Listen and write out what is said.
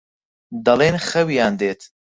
دەڵێن خەویان دێت.